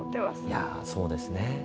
いやそうですね。